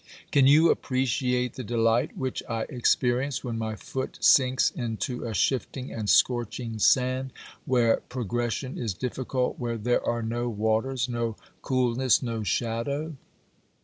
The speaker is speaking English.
Can you appreciate the delight which I experience when my foot sinks into a shifting and scorching sand, where progression is difficult, where there are no waters, no cool ness, no shadow